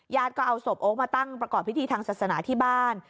ก็เอาศพโอ๊คมาตั้งประกอบพิธีทางศาสนาที่บ้าน